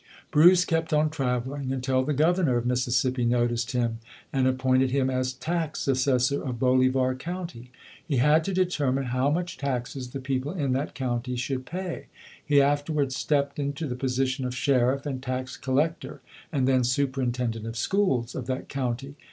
Bruce kept on traveling until the Governor of Mississippi noticed him and appointed him as Tax Assessor of Bolivar County He had to determine how much taxes the people in that county should pay. He afterwards stepped into the position of Sheriff and Tax Collector, and then Superintend ent of Schools of that county.